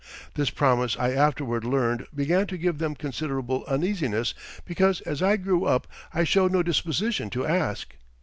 This promise I afterward learned began to give them considerable uneasiness because as I grew up I showed no disposition to ask.